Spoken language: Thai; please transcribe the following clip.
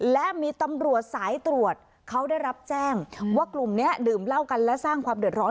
และมีตำรวจสายตรวจเขาได้รับแจ้งว่ากลุ่มนี้ดื่มเหล้ากันและสร้างความเดือดร้อน